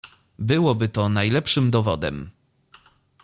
"Byłoby to najlepszym dowodem."